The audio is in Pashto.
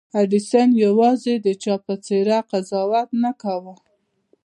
ايډېسن يوازې د چا په څېره قضاوت نه کاوه.